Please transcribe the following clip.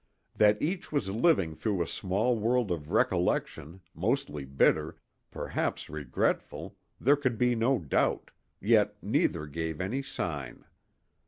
That each was living through a small world of recollection, mostly bitter, perhaps regretful, there could be no doubt, yet neither gave any sign.